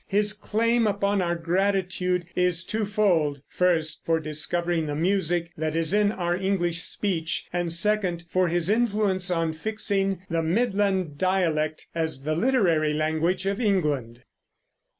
His claim upon our gratitude is twofold: first, for discovering the music that is in our English speech; and second, for his influence in fixing the Midland dialect as the literary language of England.